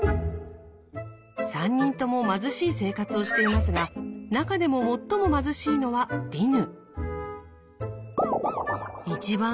３人とも貧しい生活をしていますが中でも最も貧しいのはディヌ。